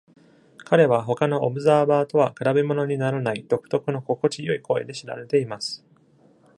彼は他のオブザーバーとは比べものにならない独特の心地よい声で知られています。